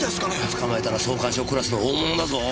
捕まえたら総監賞クラスの大物だぞ！